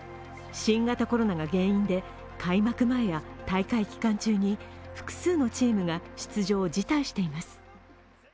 新型コロナが原因で開幕前や大会期間中に複数のチームが出場を辞退しています。